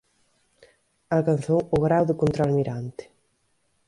Alcanzou o grao de contraalmirante.